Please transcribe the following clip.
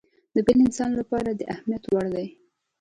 د بل انسان لپاره د اهميت وړ دی.